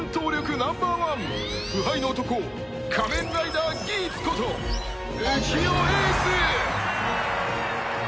ナンバーワン不敗の男仮面ライダーギーツこと浮世英寿！